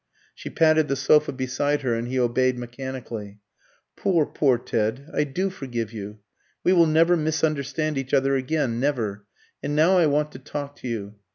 She patted the sofa beside her, and he obeyed mechanically. "Poor, poor Ted! I do forgive you. We will never misunderstand each other again never. And now I want to talk to you.